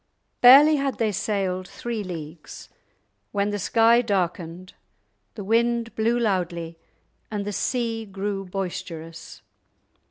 Barely had they sailed three leagues when the sky darkened, the wind blew loudly, and the sea grew boisterous.